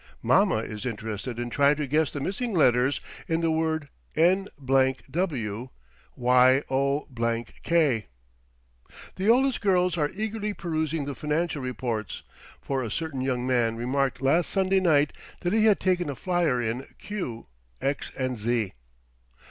Mamma is interested in trying to guess the missing letters in the word N_w Yo_k. The oldest girls are eagerly perusing the financial reports, for a certain young man remarked last Sunday night that he had taken a flyer in Q., X. & Z.